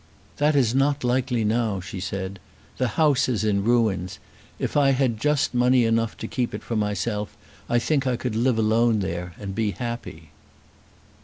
"That is not likely now," she said. "The house is in ruins. If I had just money enough to keep it for myself, I think I could live alone there and be happy."